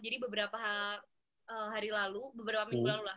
jadi beberapa hari lalu beberapa minggu lalu lah